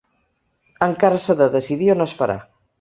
Encara s’ha de decidir on es farà.